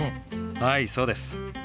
はいそうです。